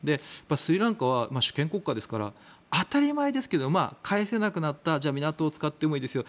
スリランカは主権国家ですから当たり前ですけど返せなくなったじゃあ港を使ってもいいですよ